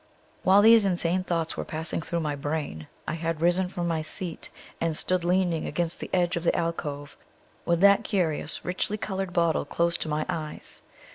While these insane thoughts were passing through my brain I had risen from my seat, and stood leaning against the edge of the alcove, with that curious richly colored bottle close to my eyes.